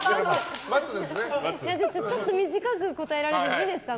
ちょっと短く答えられるのでいいですか。